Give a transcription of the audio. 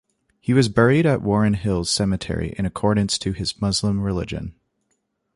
He was buried at Warren Hills cemetery in accordance to his Muslim religion.